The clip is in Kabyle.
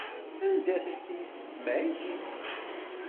Anda-tent yissetma-k?